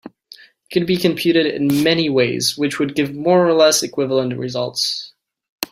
It could be computed in many ways which would give more or less equivalent results.